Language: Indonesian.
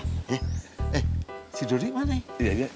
eh eh si dodi mana nih